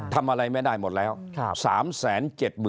ทำอะไรไม่ได้หมดแล้ว๓๗๕๐๐๐ตัน